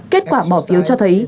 kết quả bỏ phiếu cho thấy